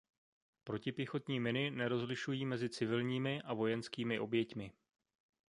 Protipěchotní miny nerozlišují mezi civilními a vojenskými oběťmi.